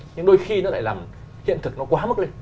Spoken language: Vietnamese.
nhưng đôi khi nó lại làm hiện thực nó quá mức lên